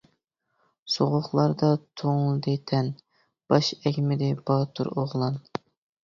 سوغۇقلاردا توڭلىدى تەن، باش ئەگمىدى باتۇر ئوغلان.